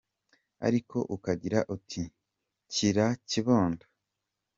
Ariko ukagira uti:"Kira kibondo!"